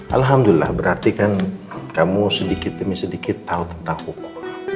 alhamdulillah berarti kan kamu sedikit demi sedikit tahu tentang hukum